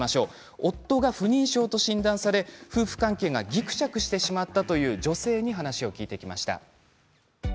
夫が不妊症と診断され夫婦関係がぎくしゃくしてしまったという女性に話を聞いてきました。